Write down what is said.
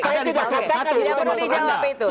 saya tidak katakan itu